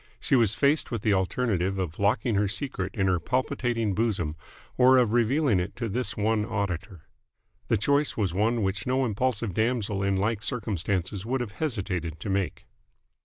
She was faced with the alternative of locking her secret in her palpitating bosom or of revealing it to this one auditor. The choice was one which no impulsive damsel in like circumstances would have hesitated to make.